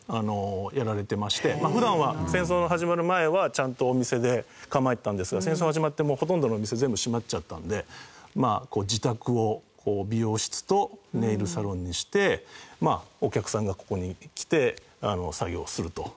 普段は戦争が始まる前はちゃんとお店で構えてたんですが戦争が始まってほとんどのお店全部閉まっちゃったんでまあ自宅を美容室とネイルサロンにしてお客さんがここに来て作業をすると。